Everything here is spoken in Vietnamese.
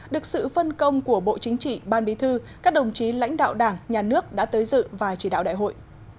được sự phân công của bộ chính trị ban bí thư các đồng chí lãnh đạo đảng nhà nước đã tới dự và chỉ đạo đại hội